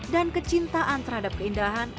dan kecintaan terhadap keindahan